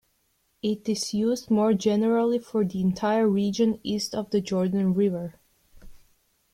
It is used more generally for the entire region east of the Jordan River.